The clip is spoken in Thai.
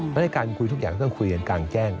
แล้วในการคุยทุกอย่างก็ต้องคุยกันกลางแจ้ง